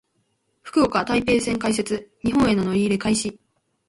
福岡・台北線開設。日本への乗り入れ開始。